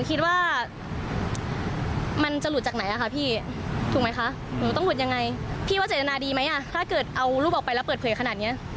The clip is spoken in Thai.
แปลว่าจะแน่บองร้องเลยใช่ไหมนะ